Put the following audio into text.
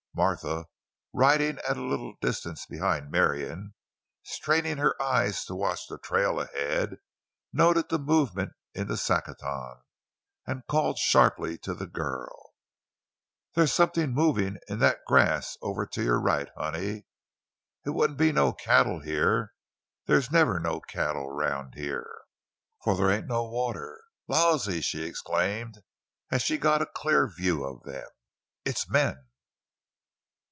Martha, riding at a little distance behind Marion, and straining her eyes to watch the trail ahead, noted the movement in the saccaton, and called sharply to the girl: "They's somethin' movin' in that grass off to your right, honey! It wouldn't be no cattle, heah; they's never no cattle round heah, fo' they ain't no water. Lawsey!" she exclaimed, as she got a clear view of them; "it's men!"